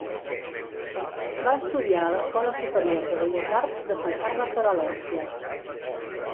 Va estudiar a l'Escola Superior de Belles Arts de Sant Carles de València.